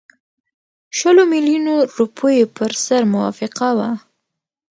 شلو میلیونو روپیو پر سر موافقه وه.